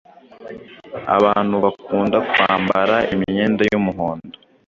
Abantu bakunda kwambara imyenda y’umuhondo